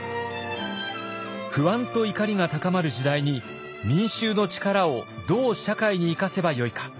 不安と怒りが高まる時代に民衆の力をどう社会に生かせばよいか。